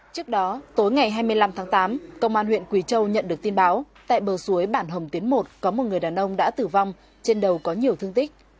trước đó tối ngày hai mươi năm tháng tám công an huyện quỳ châu nhận được tin báo tại bờ suối bản hồng tiến một có một người đàn ông đã tử vong trên đầu có nhiều thương tích